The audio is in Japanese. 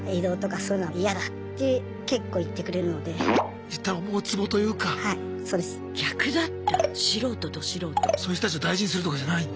そういう人たちを大事にするとかじゃないんだ。